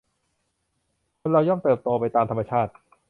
คนเราย่อมเติบโตไปตามธรรมชาติ